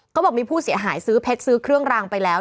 เขาบอกมีผู้เสียหายซื้อเพชรซื้อเครื่องรางไปแล้ว